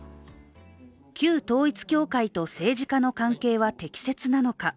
旧統一教会と政治家の関係は適切なのか。